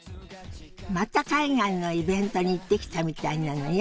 また海外のイベントに行ってきたみたいなのよ。